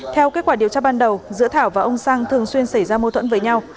theo kết quả điều tra ban đầu giữa thảo và ông sang thường xuyên xảy ra mâu thuẫn với nhau